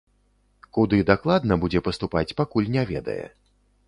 Куды дакладна будзе паступаць, пакуль не ведае.